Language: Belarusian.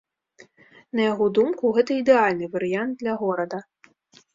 На яго думку, гэта ідэальны варыянт для горада.